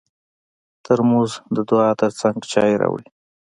ترموز د دعا تر څنګ چای راوړي.